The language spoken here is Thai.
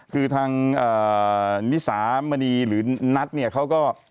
คือทางนิสามณีหรือนัทเนี่ยเขาก็